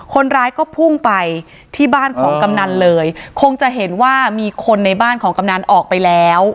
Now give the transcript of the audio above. คนร้ายก็พุ่งไปที่บ้านของกำนันเลยคงจะเห็นว่ามีคนในบ้านของกำนันออกไปแล้ว